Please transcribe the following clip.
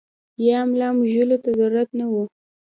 يا ملا مږلو ته ضرورت نۀ وي -